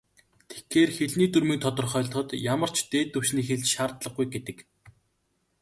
Тэгэхээр, хэлний дүрмийг тодорхойлоход ямар ч "дээд түвшний хэл" шаардлагагүй гэдэг.